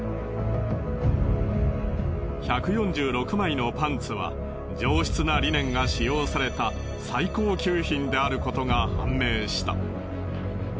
１４６枚のパンツは上質なリネンが使用された最高級品であることが判明した。